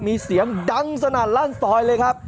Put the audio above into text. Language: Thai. มีเสียงดังสนั่นลั่นซอยเลยครับ